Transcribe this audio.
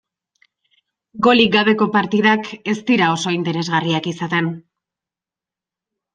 Golik gabeko partidak ez dira oso interesgarriak izaten.